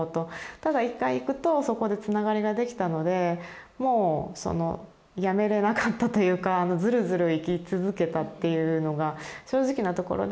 ただ一回行くとそこでつながりができたのでもうやめれなかったというかずるずる行き続けたっていうのが正直なところで。